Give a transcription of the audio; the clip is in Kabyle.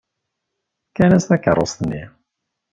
Fkan-as takeṛṛust-nni.